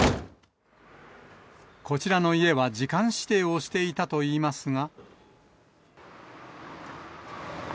こちらの家は時間指定をしていたといいますが。